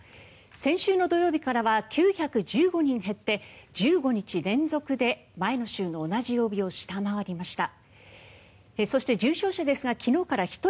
先週の土曜日からは９１５人減って１５日連続で前の週の同じ曜日を下回りました。